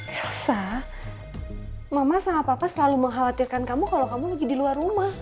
biasa mama sama papa selalu mengkhawatirkan kamu kalau kamu lagi di luar rumah